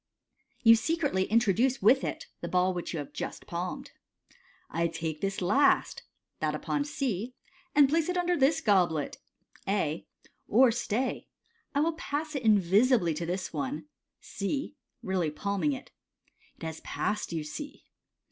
You secretly introduce with it the ball which you have just palmed. "I take this last" (that upon C), "and place it under this goblet (A) ; or, stay, I will pass it in visibly to this one " (C) — really palming it. " It has passed, you Bae.